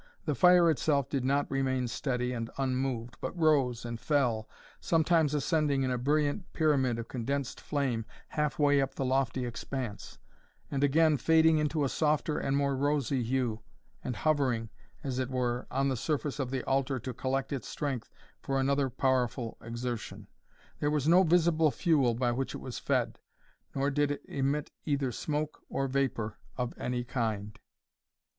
The fire itself did not remain steady and unmoved, but rose and fell, sometimes ascending in a brilliant pyramid of condensed flame half way up the lofty expanse, and again fading into a softer and more rosy hue, and hovering, as it were, on the surface of the altar to collect its strength for another powerful exertion. There was no visible fuel by which it was fed, nor did it emit either smoke or vapour of any kind.